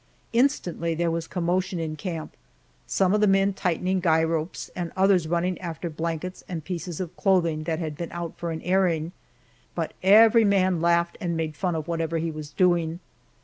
Instantly there was commotion in camp some of the men tightening guy ropes, and others running after blankets and pieces of clothing that had been out for an airing, but every man laughed and made fun of whatever he was doing.